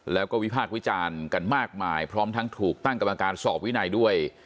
แล้วก็วิพากษ์วิจารณ์กันมากมายพร้อมทั้งถูกตั้งกรรมการสอบวินัยด้วย